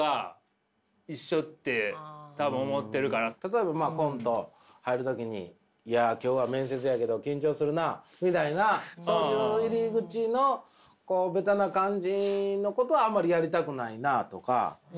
多分例えばコント入る時に「いや今日は面接やけど緊張するな」みたいなそういう入り口のベタな感じのことはあんまりやりたくないなとか。